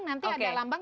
nanti ada lambang